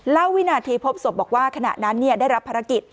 แล้ววินาทีพบศพบอกว่าขณะนั้นเนี่ยได้รับภารกิจ